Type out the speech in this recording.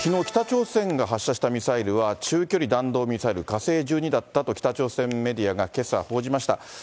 北朝鮮が発射したミサイルは中距離弾道ミサイル、火星１２だったと北朝鮮メディアがけさ、報じました。